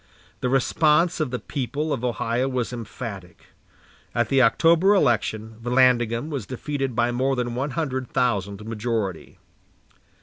The response of the people of Ohio was emphatic. At the October election Vallandigham was defeated by more than one hundred thousand majority.